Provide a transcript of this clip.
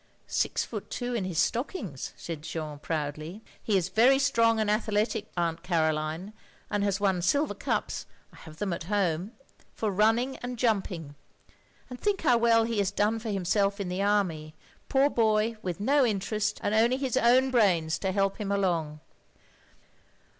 " "Six foot two in his stockings," said Jeanne, proudly, "He is very strong and athletic, Atint Caroline, and has won silver cups — I have them at home — ^for running and jumping. And think how well he has done for himself in the Army, poor boy, with no interest, and only his own brains to help him along."